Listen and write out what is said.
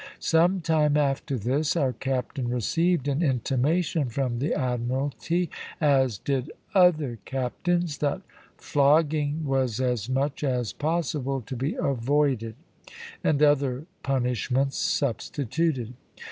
Some time after this, our captain received an intimation from the Admiralty, as did other captains, that flogging was as much as possible to be avoided, and other punishments substituted.